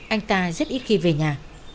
anh ta rất ít khi về nhà